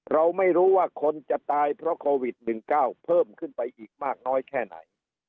เราไม่รู้ว่าคนจะตายเพราะโควิด๑๙เพิ่มขึ้นไปอีกมากน้อยแค่ไหน